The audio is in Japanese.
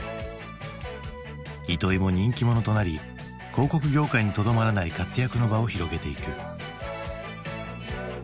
糸井も人気者となり広告業界にとどまらない活躍の場を広げていく。